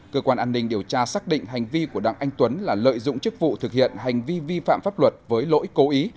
cơ quan an ninh điều tra xác định hành vi của đặng anh tuấn là lợi dụng chức vụ thực hiện hành vi vi phạm pháp luật với lỗi cố ý